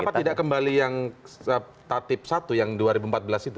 kenapa tidak kembali yang tatip satu yang dua ribu empat belas itu